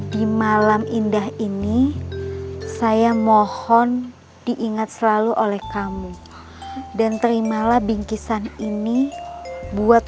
di malam indah ini saya mohon diingat selalu oleh kamu dan terimalah bingkisan ini buat